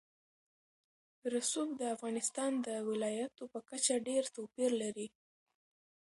رسوب د افغانستان د ولایاتو په کچه ډېر توپیر لري.